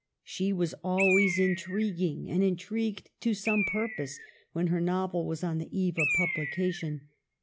She was always intriguing, and intrigued to some purpose when her novel was on the eve of publication.